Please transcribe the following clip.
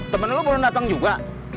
temen lu belum datang juga